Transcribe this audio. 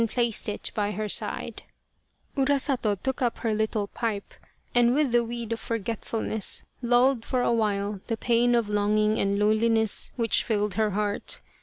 137 Urasato, or the Crow of Dawn Urasato took up her little pipe, and with the weed of forgetfulness lulled for a while the pain of longing and loneliness which filled her heart.